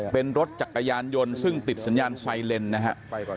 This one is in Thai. เป็นรถจักรยานยนต์ซึ่งติดสัญญาณไซเลนนะฮะ